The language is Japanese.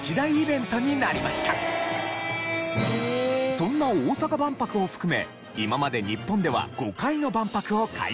そんな大阪万博を含め今まで日本では５回の万博を開催。